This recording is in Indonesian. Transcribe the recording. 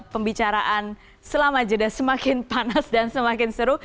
pembicaraan selama jeda semakin panas dan semakin seru